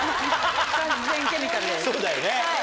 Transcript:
そうだよね。